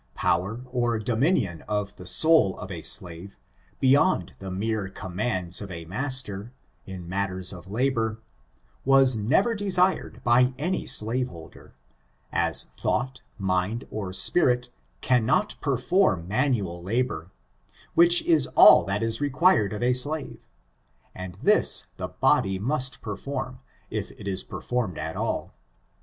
Power or dominion over the soul of a slave, beyond the mere commands of a master, in matters of labor, was never desired by any slaveholder, as thonght, mind or spirit, cannot perform manual labor, which is all that is required of a slave, and this the body must perform, if it is performed at all.